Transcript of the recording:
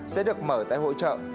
sẽ được mở tại hội trợ